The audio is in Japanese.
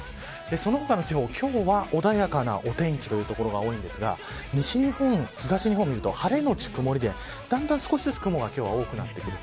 その他の地方、今日は穏やかなお天気の所が多いですが西日本、東日本を見ると晴れのち曇りでだんだん少しずつ雲が今日は多くなってくる。